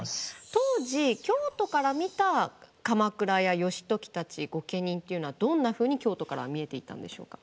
当時京都から見た鎌倉や義時たち御家人というのはどんなふうに京都からは見えていたんでしょうか？